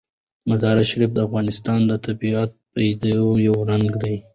مزارشریف د افغانستان د طبیعي پدیدو یو رنګ دی.